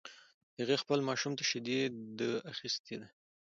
هغې خپل ماشوم ته شیدي ده اخیستی ده